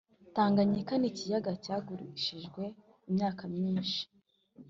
Tanganyika nikiyaga cyagurishijwe imyaka myinshi